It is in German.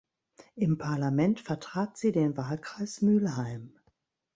Im Parlament vertrat sie den Wahlkreis Mülheim.